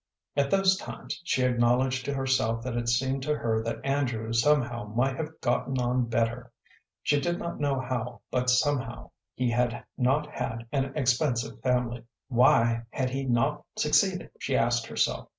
At those times she acknowledged to herself that it seemed to her that Andrew somehow might have gotten on better. She did not know how, but somehow. He had not had an expensive family. "Why had he not succeeded?" she asked herself.